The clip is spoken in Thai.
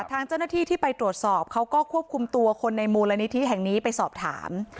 ทางเจ้าหน้าที่ที่ไปตรวจสอบเขาก็ควบคุมตัวคนในมูลนิธิแห่งนี้ไปสอบถาม